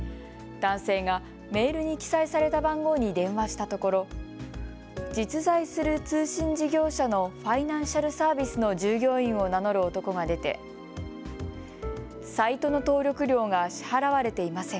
男性がメールに記載された番号に電話したところ実在する通信事業者のファイナンシャルサービスの従業員を名乗る男が出てサイトの登録料が支払われていません。